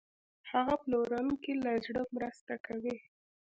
ښه پلورونکی له زړه مرسته کوي.